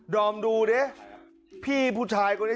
อมดูดิพี่ผู้ชายคนนี้